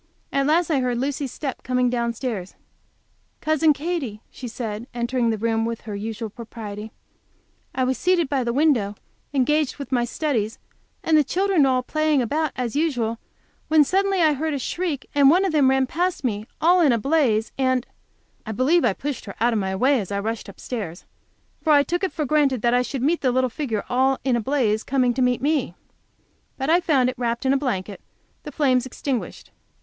At last I heard Lucy's step coming downstairs. "Cousin Katy," she said, entering the room with her usual propriety, "I was seated by the window, engaged with my studies, and the children were playing about, as usual, when suddenly I heard a shriek, and one of them ran past me, all in a blaze and " I believe I pushed her out of my way as I rushed upstairs, for I took it for granted I should meet the little figure all in a blaze, coming to meet me. But I found it wrapped in a blanket, the flames extinguished.